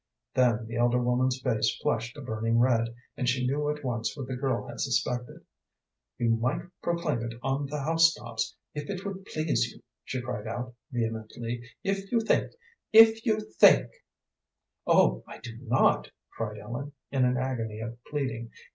Then the elder woman's face flushed a burning red, and she knew at once what the girl had suspected. "You might proclaim it on the house tops if it would please you," she cried out, vehemently. "If you think if you think " "Oh, I do not!" cried Ellen, in an agony of pleading.